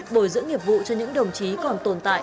bồi dưỡng nghiệp vụ cho những đồng chí còn tồn tại